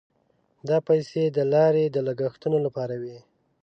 دا پیسې د لارې د لګښتونو لپاره وې.